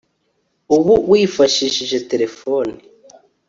Ubu wifashishije telefoni